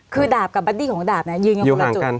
คือดาบกับบัดดี้ของดาบเนี่ยยืนอยู่หลังจุด